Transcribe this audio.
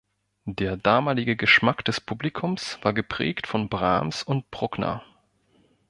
Der damalige Geschmack des Publikums war geprägt von Brahms und Bruckner.